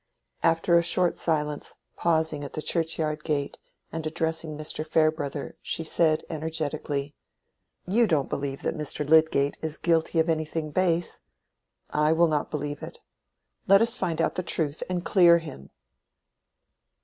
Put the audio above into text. After a short silence, pausing at the churchyard gate, and addressing Mr. Farebrother, she said energetically— "You don't believe that Mr. Lydgate is guilty of anything base? I will not believe it. Let us find out the truth and clear him!"